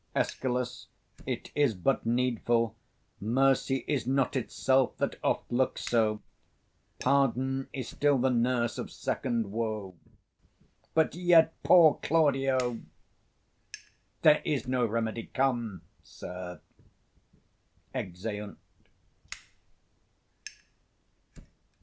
Escal. It is but needful: Mercy is not itself, that oft looks so; 265 Pardon is still the nurse of second woe: But yet, poor Claudio! There is no remedy. Come, sir. [_Exeunt.